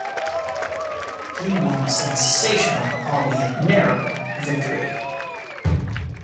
He won a sensational, albeit narrow, victory.